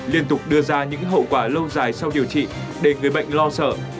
liên tục đưa ra những hậu quả lâu dài sau điều trị để người bệnh lo sợ